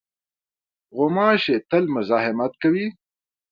غوماشې تل مزاحمت کوي.